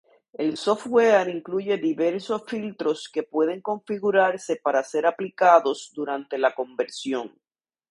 El software incluye diversos filtros que pueden configurarse para ser aplicados durante la conversión.